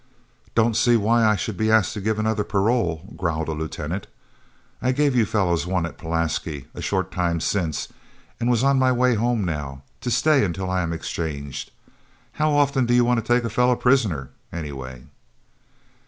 "Don't see why I should be asked to give another parole," growled a lieutenant. "I gave you fellows one at Pulaski, a short time since, and was on my way home now, to stay until I am exchanged. How often do you want to take a fellow prisoner, anyway?"